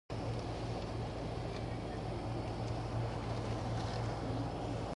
Almost all the greater chiefs enjoy the reputation of being rainmakers.